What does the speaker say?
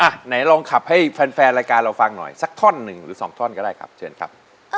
ไหนลองขับให้แฟนรายการเราฟังหน่อยสักท่อนหนึ่งหรือสองท่อนก็ได้ครับเชิญครับ